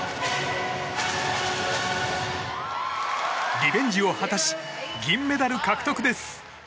リベンジを果たし銀メダル獲得です。